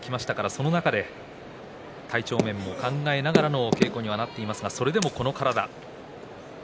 その中で体調面も考えながらの稽古にはなっていますがそれでも、この体。